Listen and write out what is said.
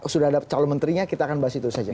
sudah ada calon menterinya kita akan bahas itu saja